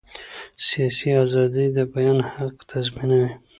سیاسي ازادي د بیان حق تضمینوي